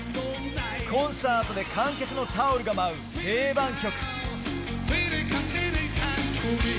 コンサートで観客のタオルが舞う定番曲。